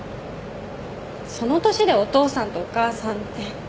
その年で「お父さんとお母さん」って。